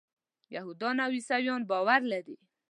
یهودان او عیسویان باور لري.